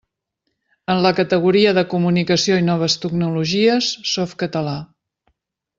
En la categoria de comunicació i noves tecnologies, Softcatalà.